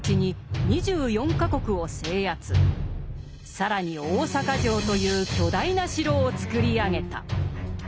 更に大坂城という巨大な城を造り上げた。